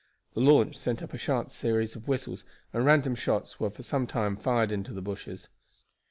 The launch sent up a sharp series of whistles, and random shots were for some time fired into the bushes.